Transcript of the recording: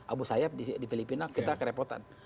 abu sayyaf di filipina kita kerepotan